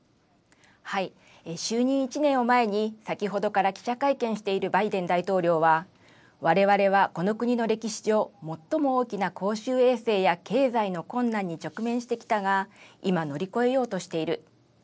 就任１年を前に、先ほどから記者会見しているバイデン大統領は、われわれはこの国の歴史上、最も大きな公衆衛生や経済の困難に直面してきたが、今乗り越えようとしている。